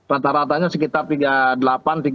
rata ratanya sekitar tiga puluh delapan tiga puluh sembilan